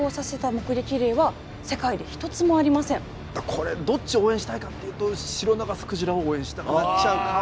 これどっち応援したいかっていうとシロナガスクジラを応援したくなっちゃうかも。